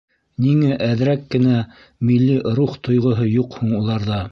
Ниңә әҙерәк кенә милли рух тойғоһо юҡ һуң уларҙа?